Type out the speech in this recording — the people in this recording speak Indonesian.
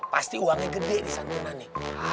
pasti uangnya gede nih santunan nih